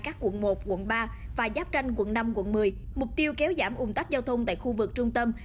các quận một quận ba và giáp tranh quận năm quận một mươi mục tiêu kéo giảm ủng tắc giao thông tại khu vực trung tâm